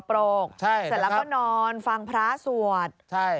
เสร็จแล้วก็นอนฟังพระสวด